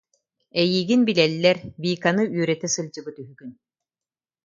Эйигин билэллэр, Виканы үөрэтэ сылдьыбыт үһүгүн